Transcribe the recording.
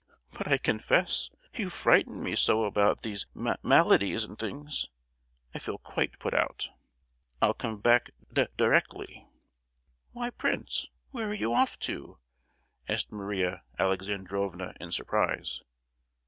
But, I confess, you've frightened me so about these ma—maladies and things, I feel quite put out. I'll come back d—directly!" "Why, prince, where are you off to?" asked Maria Alexandrovna in surprise.